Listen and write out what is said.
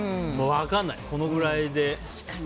分かんない、このぐらいで。